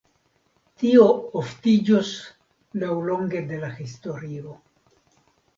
Tio oftiĝos laŭlonge de la historio.